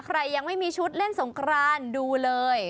ยังไม่มีชุดเล่นสงครานดูเลย